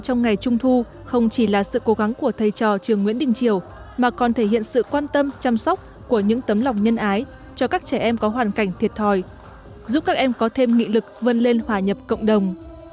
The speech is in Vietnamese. trong ngày trung thu không chỉ là sự cố gắng của thầy trò trường nguyễn đình triều mà còn thể hiện sự quan tâm chăm sóc của những tấm lòng nhân ái cho các trẻ em có hoàn cảnh thiệt thòi giúp các em có thêm nghị lực vươn lên hòa nhập cộng đồng